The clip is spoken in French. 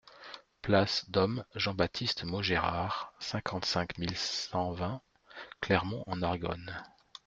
Place Dom Jean-Baptiste Maugérard, cinquante-cinq mille cent vingt Clermont-en-Argonne